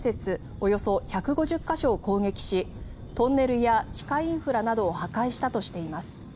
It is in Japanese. およそ１５０か所を攻撃しトンネルや地下インフラなどを破壊したとしています。